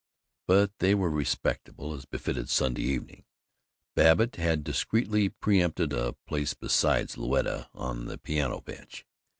but they were respectable, as befitted Sunday evening. Babbitt had discreetly preëmpted a place beside Louetta on the piano bench.